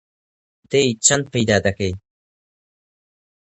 دەی چەند پەیدا دەکەی؟